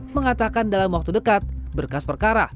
mengatakan dalam waktu dekat berkas perkara